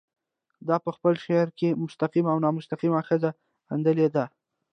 ده په خپله شاعرۍ کې مستقيم او نامستقيم ښځه غندلې ده